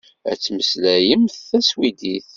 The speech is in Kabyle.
Ad temmeslayemt taswidit.